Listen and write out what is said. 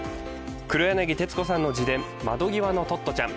黒柳徹子さんの自伝まどぎわの、「窓ぎわのトットちゃん」